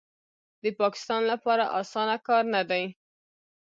د پاکستان لپاره اسانه کار نه دی